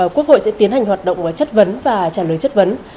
quốc hội sẽ tiến hành hoạt động chất vấn và trả lời chất vấn